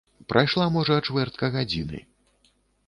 Прайшла, можа, чвэртка гадзіны.